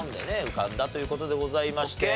浮かんだという事でございまして。